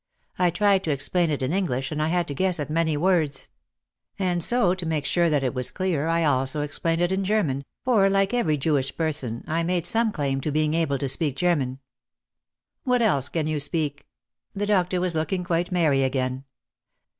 I tried to explain it in English and I had to guess at many words. And so to make sure that it 238 OUT OF THE SHADOW was clear I also explained it in German, for like every Jewish person I made some claim to being able to speak German. "What else can you speak?" The doctor was looking quite merry again.